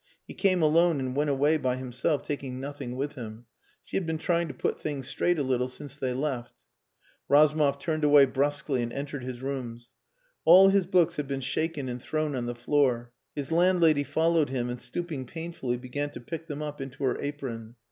He came alone and went away by himself, taking nothing with him. She had been trying to put things straight a little since they left. Razumov turned away brusquely and entered his rooms. All his books had been shaken and thrown on the floor. His landlady followed him, and stooping painfully began to pick them up into her apron.